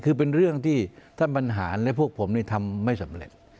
คือเป็นเรื่องที่ท่านบรรหารและพวกผมทำไม่สำเร็จ